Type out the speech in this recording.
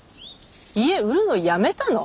家売るのやめたの？